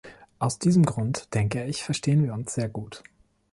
Aus diesem Grund, denke ich, verstehen wir uns sehr gut.